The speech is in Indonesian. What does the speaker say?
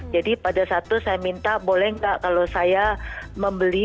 jadi pada saat itu saya minta boleh nggak kalau saya membeli